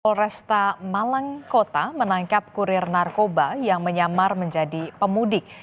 polresta malang kota menangkap kurir narkoba yang menyamar menjadi pemudik